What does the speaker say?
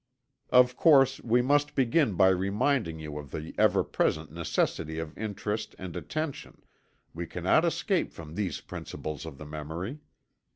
Of course we must begin by reminding you of the ever present necessity of interest and attention we cannot escape from these principles of the memory.